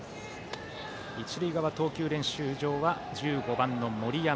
一塁側、投球練習場は１５番の森山。